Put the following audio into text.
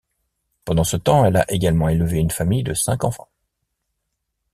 Pendant ce temps, elle a également élevé une famille de cinq enfants.